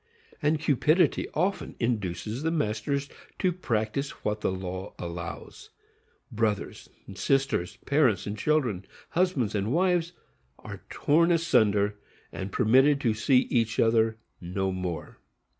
And cupidity often induces the masters to practise what the law allows. Brothers and sisters, parents and children, husbands and wives, are torn asunder, and permitted to see each other no more.